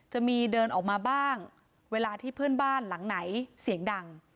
จะมีเดินออกมาบ้างเวลาที่เพื่อนบ้านหลังไหนเสียงดัง